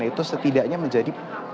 dan itu setidaknya menjadi